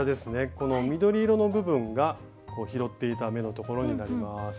この緑色の部分が拾っていた目のところになります。